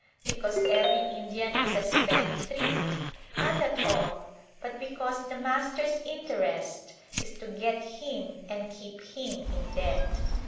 Because every Indian is a spendthrift? Not at all; but because the master's interest is to get him and keep him in debt.